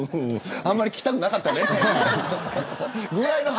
あんまり聞きたくなかったね。